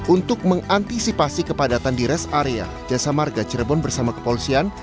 untuk mengantisipasi kepadatan di rest area jasa marga cirebon bersama kepolisian